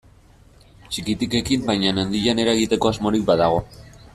Txikitik ekin baina handian eragiteko asmorik badago.